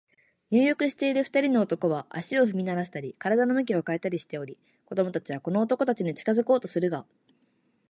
入浴している二人の男は、足を踏みならしたり、身体を向き変えたりしており、子供たちはこの男たちに近づこうとするが、